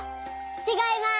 ちがいます。